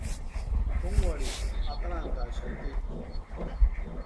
Jónkwarhikwa atarantʼaxati.